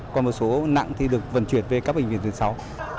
còn một số nặng thì được vận chuyển về các bệnh viện thứ sáu